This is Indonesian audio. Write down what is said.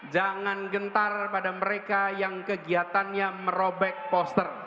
jangan gentar pada mereka yang kegiatannya merobek poster